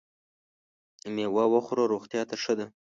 مېوه وخوره ! روغتیا ته ښه ده .